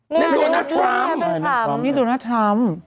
นี่โดนาทรัมนี่โดนาทรัม